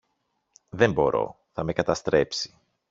Δεν μπορώ, θα με καταστρέψει